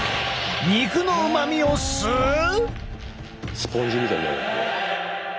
スポンジみたいになる？